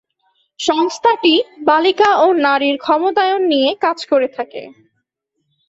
সংস্থাটি বালিকা ও নারীর ক্ষমতায়ন নিয়ে কাজ করে থাকে।